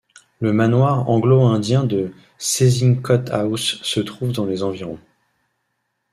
Le manoir anglo-indien de Sezincote House se trouve dans les environs.